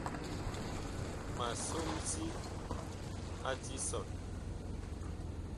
Ma som si a tisɔn.